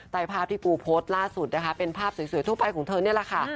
ภาพที่ปูโพสต์ล่าสุดนะคะเป็นภาพสวยทั่วไปของเธอนี่แหละค่ะ